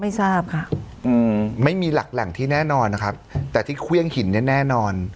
ไม่ทราบค่ะอืมไม่มีหลักแหล่งที่แน่นอนนะครับแต่ที่เครื่องหินเนี้ยแน่นอน